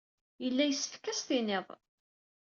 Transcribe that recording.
Yella yessefk ad as-t-tiniḍ.